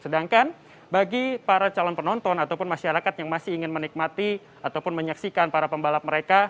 sedangkan bagi para calon penonton ataupun masyarakat yang masih ingin menikmati ataupun menyaksikan para pembalap mereka